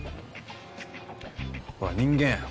ほら人間